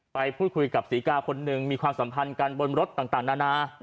ไปพูดคุยกับศรีกาคนหนึ่งมีความสัมพันธ์กันบนรถต่างนานา